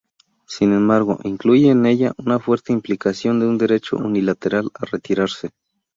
Sin embargo, incluye en ella una fuerte implicación de un derecho unilateral a retirarse.